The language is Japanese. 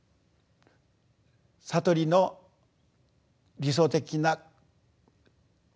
悟りの理想的な境地